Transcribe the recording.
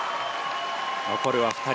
残るは２人。